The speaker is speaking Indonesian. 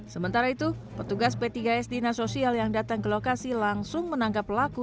sementara itu petugas p tiga s dinasosial yang datang ke lokasi langsung menangkap pelaku